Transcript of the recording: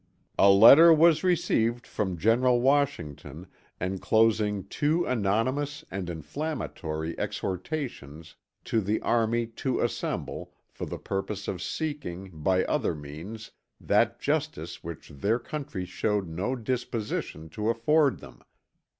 "A letter was received from General Washington, enclosing two anonymous and inflammatory exhortations to the army to assemble, for the purpose of seeking, by other means, that justice which their country showed no disposition to afford them.